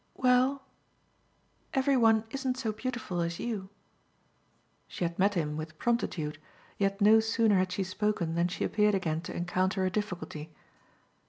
"Well, every one isn't so beautiful as you." She had met him with promptitude, yet no sooner had she spoken than she appeared again to encounter a difficulty.